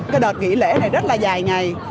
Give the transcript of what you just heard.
cái đợt nghỉ lễ này rất là dài ngày